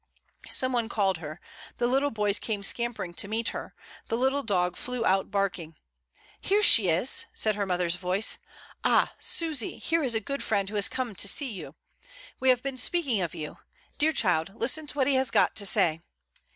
Some one called her; the little boys came scampering to meet her; the little dog flew out barking. "Here she is," said her mother's voice. "Ah! Susy, here is a good friend who has come to see you. We have been speaking of you. Dear child, listen to what he has got to say."